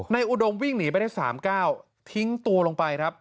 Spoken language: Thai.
อุดมวิ่งหนีไปได้๓ก้าวทิ้งตัวลงไปครับ